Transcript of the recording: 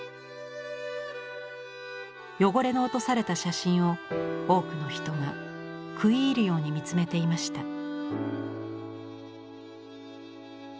汚れの落とされた写真を多くの人が食い入るように見つめていました。